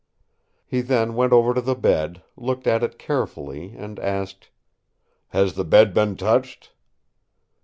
He then went over to the bed, looked at it carefully, and asked: "Has the bed been touched?"